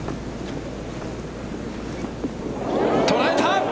捉えた。